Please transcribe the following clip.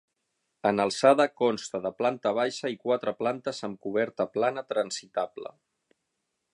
En alçada consta de planta baixa i quatre plantes amb coberta plana transitable.